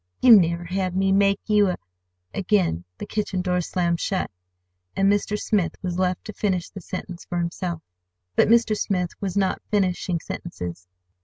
"You never had me make you a—" Again the kitchen door slammed shut, and Mr. Smith was left to finish the sentence for himself. But Mr. Smith was not finishing sentences.